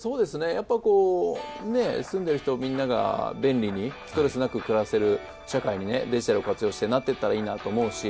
やっぱこうね住んでる人みんなが便利にストレスなく暮らせる社会にねデジタルを活用してなってったらいいなと思うし。